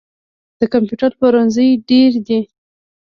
د کمپیوټر پلورنځي ډیر دي